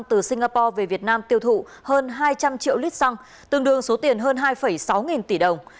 từ singapore về việt nam tiêu thụ hơn hai trăm linh triệu lít xăng tương đương số tiền hơn hai sáu nghìn tỷ đồng